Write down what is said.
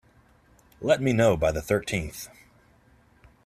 Let me know by the thirteenth.